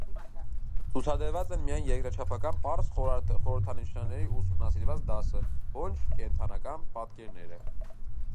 Ցուցադրված են միայն երկրաչափական պարզ խորհրդանշանների ուսումնասիրված դասը՝ ոչ կենդական պատկերները։